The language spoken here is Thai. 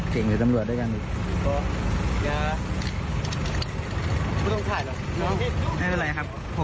เจ๋งหรือสำรวจด้วยกันดิไม่ต้องถ่ายหรอไม่เป็นไรครับ